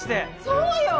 そうよ！